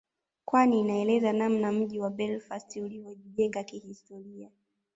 kwani inaeleza namna mji wa Belfast ulivyojijenge kihistoria